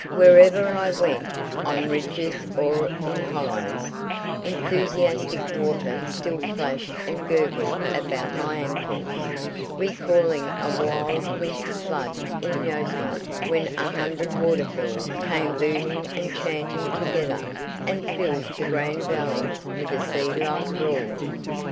Wherever I went, on ridges or in hollows, enthusiastic water still flashed and gurgled about my ankles, recalling a wild winter flood in Yosemite when a hundred waterfalls came booming and chanting together and filled the grand valley with a sea like roar.